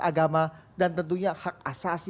agama dan tentunya hak asasi